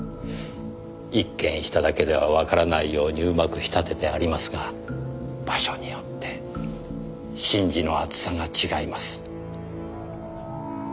一見しただけではわからないように上手く仕立ててありますが場所によって芯地の厚さが違います。